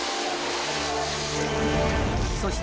［そして］